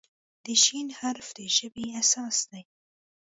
د "ش" حرف د ژبې اساس دی.